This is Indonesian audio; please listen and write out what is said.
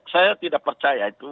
saya tidak percaya itu